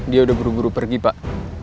dia udah buru buru pergi pak